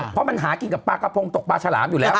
เพราะมันหากินกับปลากระพงตกปลาฉลามอยู่แล้ว